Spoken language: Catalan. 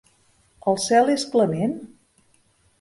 El cel és clement?